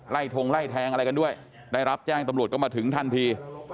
ทงไล่แทงอะไรกันด้วยได้รับแจ้งตำรวจก็มาถึงทันที